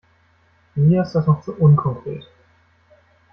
Mir ist das noch zu unkonkret.